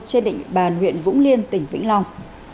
trên định bàn huyện vũng liên tỉnh vĩnh long